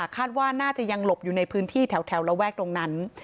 คาดว่าน่าจะยังหลบอยู่ในพื้นที่แถวระแวกตรงนั้น